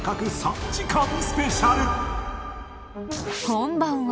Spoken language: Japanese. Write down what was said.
こんばんは。